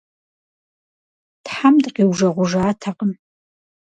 Тхьэм дыкъиужэгъужатэкъым.